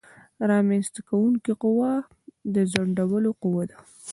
رامنځته کوونکې قوه او د ځنډولو قوه